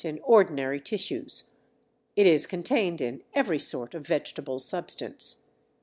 in ordinary tissues; it is contained in every sort of vegetable substance.